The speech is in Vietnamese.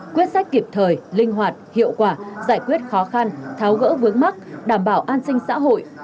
quyết sách kịp thời linh hoạt hiệu quả giải quyết khó khăn tháo gỡ vướng mắt đảm bảo an sinh xã hội